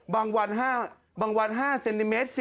บางวัน๕เซนติเมตร